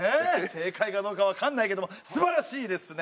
正解かどうか分かんないけどもすばらしいですね！